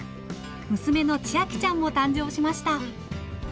娘の千照ちゃんも誕生しました。